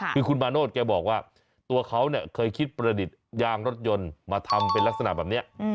คือคุณมาโนธแกบอกว่าตัวเขาเนี่ยเคยคิดประดิษฐ์ยางรถยนต์มาทำเป็นลักษณะแบบนี้